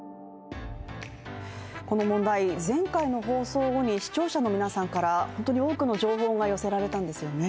この問題、前回の放送後に視聴者の皆さんから本当に多くの情報が寄せられたんですよね。